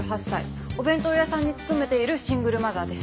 お弁当屋さんに勤めているシングルマザーです。